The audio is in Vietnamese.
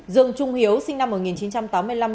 dương trung hiếu sinh năm một nghìn chín trăm tám mươi năm